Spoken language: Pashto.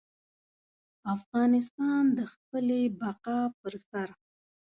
افغانستان د خپلې بقا پر سر.